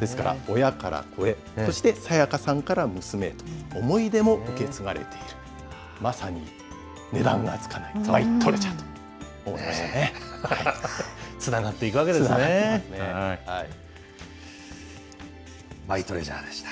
ですから親から子へ、そしてさやかさんから娘へと、思い出も受け継がれている、まさに値段がつかないマイトレジャーと思いました